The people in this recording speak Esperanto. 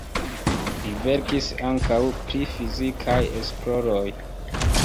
Li verkis ankaŭ pri fizikaj esploroj.